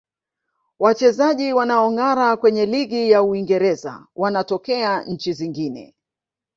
wachezaji wanaongara kwenye ligi ya uingereza wanatokea nchi zingne